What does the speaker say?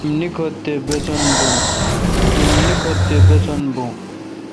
ایم نیکتھ تے باسن بھو۔